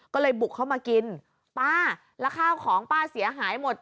ก็เลยบุกเข้ามากินป้าแล้วข้าวของป้าเสียหายหมด